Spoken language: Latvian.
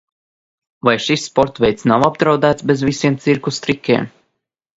Vai šis sporta veids nav apdraudēts bez visiem cirkus trikiem?